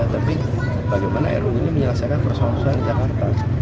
tapi bagaimana ru ini menyelesaikan persoalan persoalan di jakarta